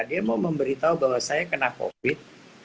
dia mau memberitahu bahwa saya kena covid